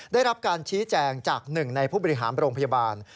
ได้รับการชี้แจงจากหนึ่งในผู้บริหารโรงพยาบาล